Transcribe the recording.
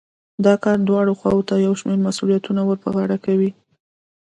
دا کار دواړو خواوو ته يو شمېر مسوليتونه ور په غاړه کوي.